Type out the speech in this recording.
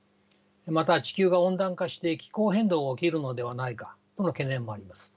また地球が温暖化して気候変動が起きるのではないかとの懸念もあります。